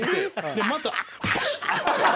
でまたバシッ！